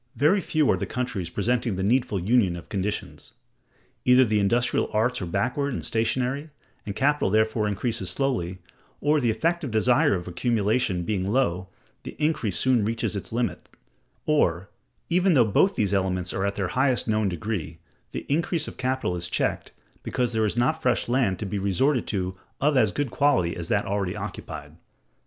Very few are the countries presenting the needful union of conditions. Either the industrial arts are backward and stationary, and capital therefore increases slowly, or, the effective desire of accumulation being low, the increase soon reaches its limit; or, even though both these elements are at their highest known degree, the increase of capital is checked, because there is not fresh land to be resorted to of as good quality as that already occupied.